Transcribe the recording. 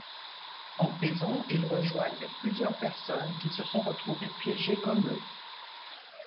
En prison, ils rejoignent plusieurs personnes qui se sont retrouvées piégées comme eux.